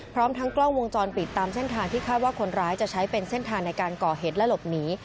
พร้อมทั้งกล้องวงจรปิดตามเส้นทางที่คาดว่าคนร้ายจะใช้เป็นเส้นทางในการก่อเหตุและหลบหนี